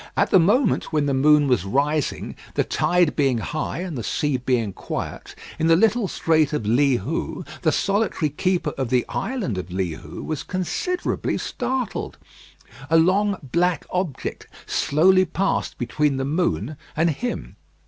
At the moment when the moon was rising, the tide being high and the sea being quiet, in the little strait of Li Hou, the solitary keeper of the island of Li Hou was considerably startled. A long black object slowly passed between the moon and him.